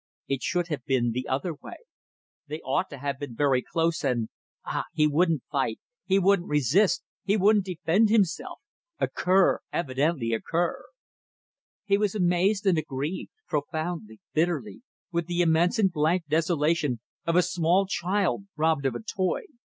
It should have been the other way. They ought to have been very close, and ... Ah! He wouldn't fight, he wouldn't resist, he wouldn't defend himself! A cur! Evidently a cur! ... He was amazed and aggrieved profoundly, bitterly with the immense and blank desolation of a small child robbed of a toy.